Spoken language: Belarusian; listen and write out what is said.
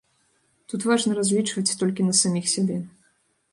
Тут важна разлічваць толькі на саміх сябе.